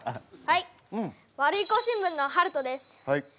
はいワルイコ新聞のはるとです。